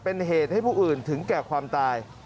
เป็นเหตุให้ผู้อื่นถึงแก่ความตาย